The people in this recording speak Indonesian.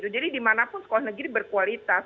jadi dimanapun sekolah negeri berkualitas